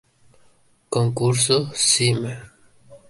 Concurso Cime.